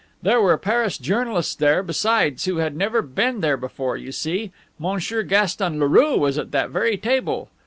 There were Paris journalists there, besides, who had never been there before, you see! Monsieur Gaston Leroux was at that very table.